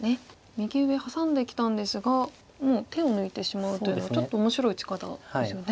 右上ハサんできたんですがもう手を抜いてしまうというのはちょっと面白い打ち方ですよね。